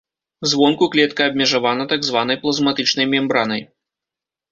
Звонку клетка абмежавана так званай плазматычнай мембранай.